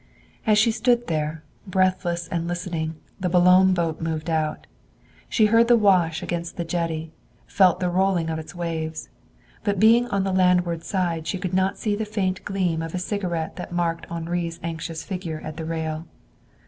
As she stood there, breathless and listening, the Boulogne boat moved out. She heard the wash against the jetty, felt the rolling of its waves. But being on the landward side she could not see the faint gleam of a cigarette that marked Henri's anxious figure at the rail.